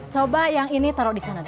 coba yang ini taruh di sana